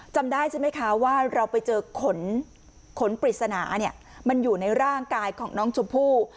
จำได้ใช่ไหมคะว่าเราไปเจอขนปริศนามันอยู่ในร่างกายของน้องชมพู่